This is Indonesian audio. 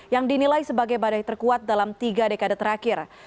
yang dinilai sebagai badai terkuat dalam tiga dekade terakhir